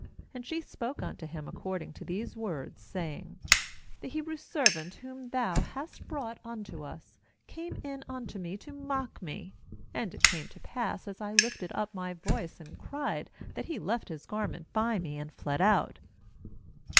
17And she spoke unto him according to these words, saying: 'The Hebrew servant, whom thou bast brought unto us, came in unto me to mock me. 18And it came to pass, as I lifted up my voice and cried, that he left his garment by me, and fled out.'